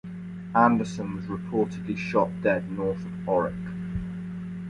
Anderson was reportedly shot dead north of Orrick.